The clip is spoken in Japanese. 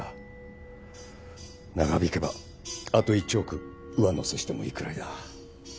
長引けばあと１億上乗せしてもいいくらいだ。